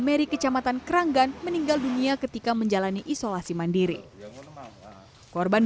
mary kecamatan keranggan meninggal dunia ketika menjalani isolasi mandiri korban